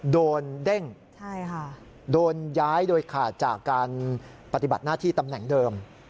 เด้งโดนย้ายโดยขาดจากการปฏิบัติหน้าที่ตำแหน่งเดิม